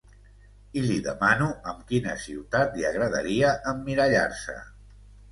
I li demano amb quina ciutat li agradaria emmirallar-se.